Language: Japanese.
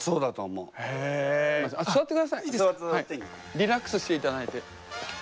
リラックスしていただいて。